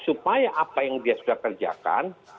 supaya apa yang dia sudah kerjakan